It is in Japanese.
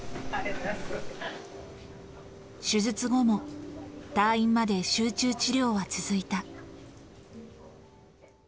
手術後も、退院まで集中治療は続いた。